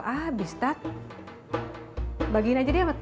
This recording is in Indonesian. tapi kalau sebanyak ini makita juga kagak bakal